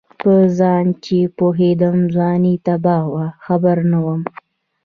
په ځان چې پوهېدم ځواني تباه وه خبر نه وم